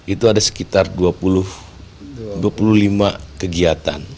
itu ada sekitar dua puluh lima kegiatan